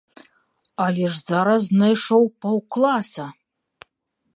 Але ж зараз знайшоў паўкласа!